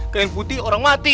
kain putih orang mati